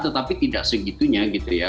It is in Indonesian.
tetapi tidak segitunya gitu ya